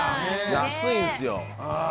安いんですよ。